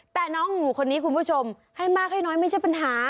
แต่น้องหนูคนนี้คุณผู้ชมให้มากให้น้อยไม่ใช่ปัญหา